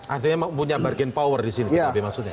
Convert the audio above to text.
artinya punya bergen power disini pkb maksudnya